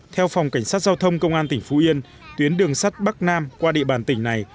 theo phòng cảnh sát giao thông công an tỉnh phú yên tuyến đường sắt bắc nam qua địa bàn tỉnh này